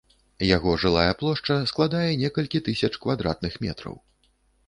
Яго жылая плошча складае некалькі тысяч квадратных метраў.